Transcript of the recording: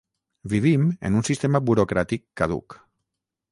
Vivim en un sistema burocràtic caduc.